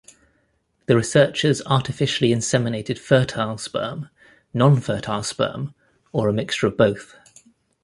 The researchers artificially inseminated fertile sperm, non-fertile sperm or a mixture of both.